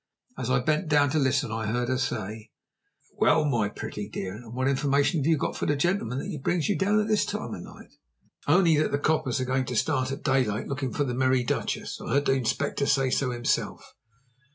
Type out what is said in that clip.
As I bent down to listen I heard her say: "Well, my pretty dear, and what information have you got for the gentleman, that brings you down at this time of night?" "Only that the coppers are going to start at daylight looking for the Merry Duchess. I heard the Inspector say so himself."